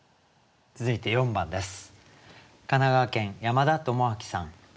続いて４番です。